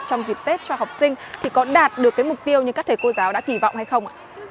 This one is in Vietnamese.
trong dịp tết cho học sinh thì có đạt được cái mục tiêu như các thầy cô giáo đã kỳ vọng hay không ạ